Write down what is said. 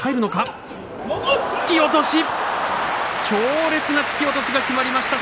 強烈な突き落としが決まりました。